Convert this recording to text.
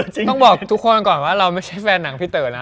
ต้องบอกทุกคนก่อนว่าเราไม่ใช่แฟนหนังพี่เต๋อนะ